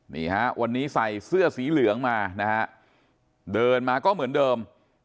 นี่ฮะวันนี้ใส่เสื้อสีเหลืองมานะฮะเดินมาก็เหมือนเดิม